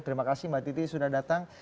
terima kasih mbak titi sudah datang